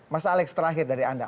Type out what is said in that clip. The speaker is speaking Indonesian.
mas alex terakhir dari anda